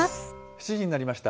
７時になりました。